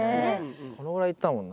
このぐらいいったもんな。